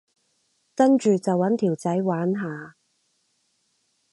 跟住就搵條仔玩下